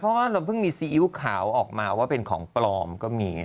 เพราะว่าเราเพิ่งมีซีอิ๊วขาวออกมาว่าเป็นของปลอมก็มี